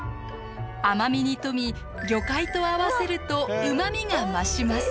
甘みに富み魚介と合わせるとうまみが増します。